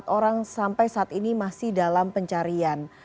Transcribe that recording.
empat orang sampai saat ini masih dalam pencarian